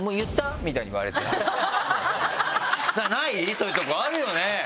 そういうとこあるよね？